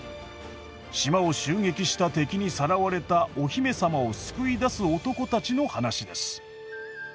島を襲撃した敵にさらわれたお姫様を救い出す男たちの話です。